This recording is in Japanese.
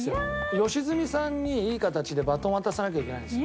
良純さんにいい形でバトンを渡さなきゃいけないんですよ。